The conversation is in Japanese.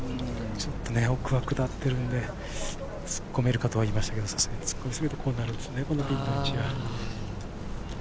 ちょっと奥が下っているので、突っ込めるかとは言いましたが、突っ込みすぎるとこうなるんですね。